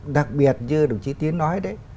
đặc biệt như đồng chí tiến nói đấy